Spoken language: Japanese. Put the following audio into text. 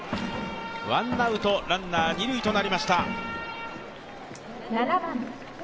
ワンアウトランナー、二塁となりました。